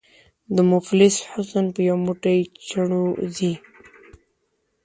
” د مفلس حُسن په یو موټی چڼو ځي”